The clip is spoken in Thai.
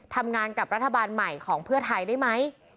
ทำงานกับรัฐบาลใหม่ของเพื่อไทยได้ไหม